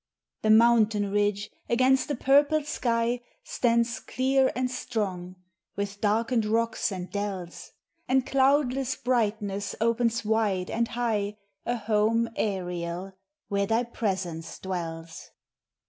The mountain ridge against the purple sky Stands clear and strong, with darkened rocks and dells, And cloudless brightness opens wide and high A home aerial, where thy presence dwells.